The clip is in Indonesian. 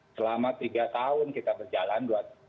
selama tiga tahun kita berjalan